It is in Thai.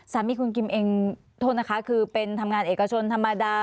สามีคุณกิมเองโทษนะคะคือเป็นทำงานเอกชนธรรมดา